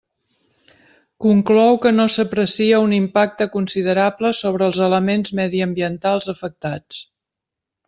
Conclou que no s'aprecia un impacte considerable sobre els elements mediambientals afectats.